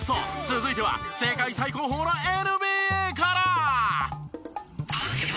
続いては世界最高峰のＮＢＡから！